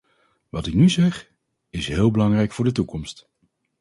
Wat ik nu zeg, is heel belangrijk voor de toekomst.